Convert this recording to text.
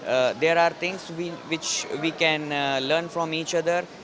ada hal yang bisa kita pelajari antara satu sama lain